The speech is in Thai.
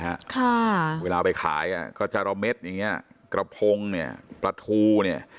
ช่าเวลาไปขายก็จะเราเม็ดจริงอย่างใหญ่กระเพงเนี่ยประทูเนี่ย